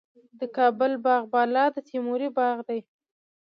د کابل باغ بالا د تیموري باغ دی